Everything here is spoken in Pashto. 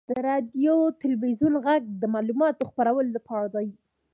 • د راډیو او تلویزیون ږغ د معلوماتو خپرولو لپاره دی.